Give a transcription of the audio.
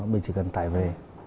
mình chỉ cần tải về